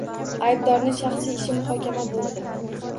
Aybdorni shaxsiy ishi muhokama bo‘ldi.